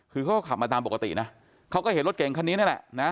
คือเขาก็ขับมาตามปกตินะเขาก็เห็นรถเก่งคันนี้นี่แหละนะ